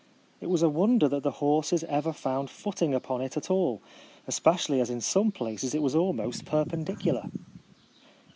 It was a wonder that the horses ever found footing upon it at all, especially as in some places it was almost perpendicular